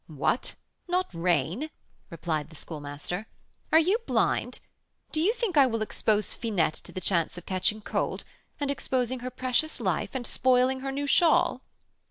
"What! not rain!" replied the Schoolmaster; "are you blind? Do you think I will expose Finette to the chance of catching cold, and exposing her precious life, and spoiling her new shawl?"